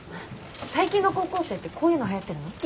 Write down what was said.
最近の高校生ってこういうのはやってるの？